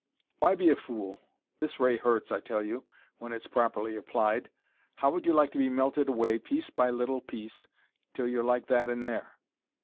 "Why be a fool? This ray hurts, I tell you, when it's properly applied. How would you like to be melted away, piece by little piece, till you're like that in there?"